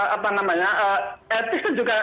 apa namanya etik